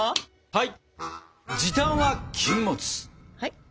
はい。